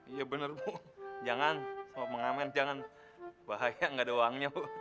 iya bener bu jangan sama pengamen jangan bahaya nggak ada uangnya bu